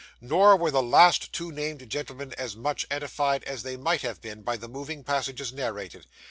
Nor were the two last named gentlemen as much edified as they might have been by the moving passages narrated.